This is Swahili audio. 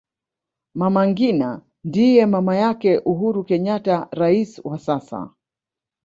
mama ngina ndiye mama yake uhuru kenyatta rais wa sasa